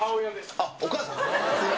あっ、お母さん？